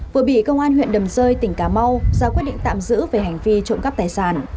vừa bị công an huyện đầm rơi tỉnh cà mau ra quyết định tạm giữ về hành vi trộm cắp tài sản